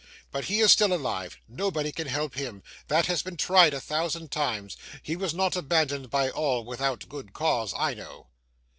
But he is still alive. Nobody can help him; that has been tried a thousand times; he was not abandoned by all without good cause, I know.